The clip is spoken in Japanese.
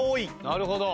なるほど。